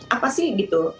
apa sih gitu